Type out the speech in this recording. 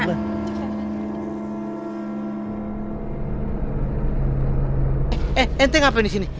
eh enteng apa ini disini